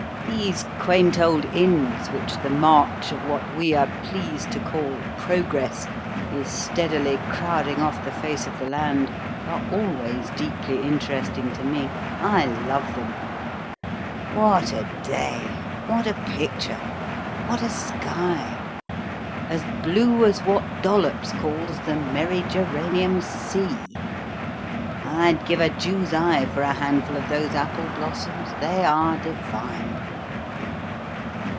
These quaint old inns, which the march of what we are pleased to call 'Progress' is steadily crowding off the face of the land, are always deeply interesting to me; I love them. What a day! What a picture! What a sky! As blue as what Dollops calls the 'Merry Geranium Sea.' I'd give a Jew's eye for a handful of those apple blossoms they are divine!"